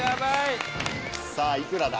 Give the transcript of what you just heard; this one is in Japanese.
さあいくらだ？